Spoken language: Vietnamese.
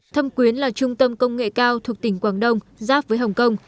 thâm quyến là trung tâm công nghệ cao thuộc tỉnh quảng đông giáp với hồng kông